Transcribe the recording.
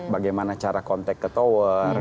bagaimana cara kontak ke tower